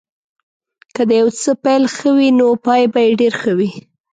که د یو څه پيل ښه وي نو پای به یې ډېر ښه وي.